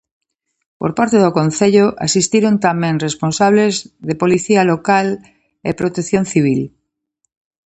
Por parte do Concello, asistiron tamén responsables de Policía Local e Protección Civil.